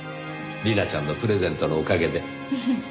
莉奈ちゃんのプレゼントのおかげで。